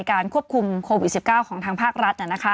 ควบคุมโควิด๑๙ของทางภาครัฐ